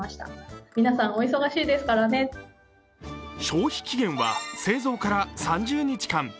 消費期限は製造から３０日間。